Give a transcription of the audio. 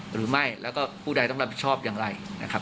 หรือไม่แล้วก็ผู้ใดต้องรับผิดชอบอย่างไรนะครับ